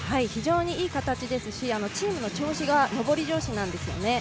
非常にいい形ですしチームの調子が上り調子なんです。